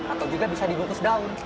atau juga bisa dibungkus daun